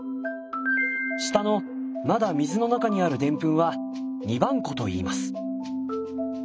下のまだ水の中にあるデンプンは「二番粉」といいます。